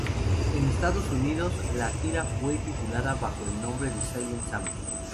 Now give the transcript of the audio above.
En Estados Unidos, la tira fue titulada bajo el nombre de "Silent Sam".